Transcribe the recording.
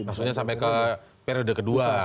maksudnya sampai ke periode kedua